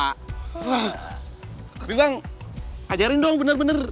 tapi bang ajarin dong bener bener